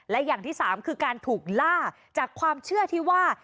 และอย่างที่สามคือการถูกล่าจากความเชื่อที่ว่า